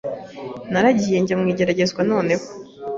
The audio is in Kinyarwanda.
naragiye njya mu igeragezwa noneho